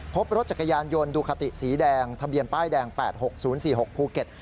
พบรถจักรยานยนต์ดูคาติสีแดงทะเบียนป้ายแดง๘๖๐๔๖ภูเก็ต